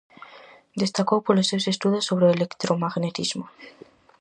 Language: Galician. Destacou polos seus estudos sobre o electromagnetismo.